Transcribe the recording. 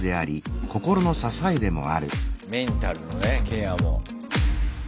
メンタルのねケアも。